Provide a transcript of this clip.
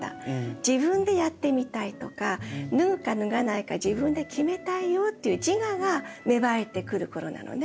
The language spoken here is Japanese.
自分でやってみたいとか脱ぐか脱がないか自分で決めたいよっていう自我が芽生えてくる頃なのね。